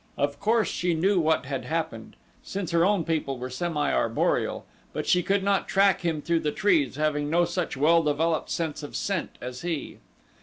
Of course she knew what had happened; since her own people were semi arboreal; but she could not track him through the trees, having no such well developed sense of scent as he.